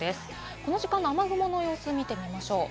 この時間の雨雲の予想を見ていきましょう。